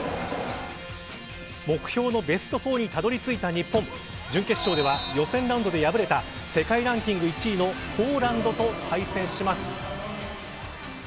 目標のベスト４にたどり着いた日本準決勝では予選ラウンドで敗れた世界ランキング１位のポーランドと対戦します。